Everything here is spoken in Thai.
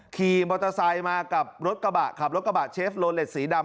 ขี่มอเตอร์ไซค์มากับรถกระบะขับรถกระบะเชฟโลเล็ตสีดำ